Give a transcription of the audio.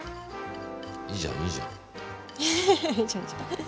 ウフフいいじゃんいいじゃん。